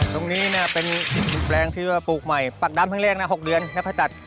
ตรงนี้เป็นแบบแรงที่จะปลูกใหม่ปักดำแรกนะ๖เดือนแล้วพอตัด